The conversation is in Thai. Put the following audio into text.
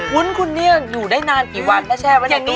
แล้วคุณเนี่ยอยู่ได้นานกี่วันนะแช่ว่าในตัวนี้